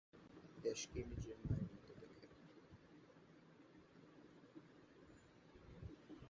দেশকে নিজের মায়ের মত দেখে।